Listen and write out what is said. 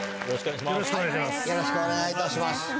よろしくお願いします。